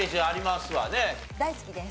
大好きです。